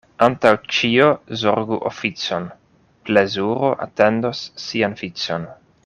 Antaŭ ĉio zorgu oficon — plezuro atendos sian vicon.